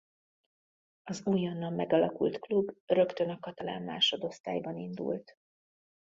Az újonnan megalakult klub rögtön a katalán másodosztályban indult.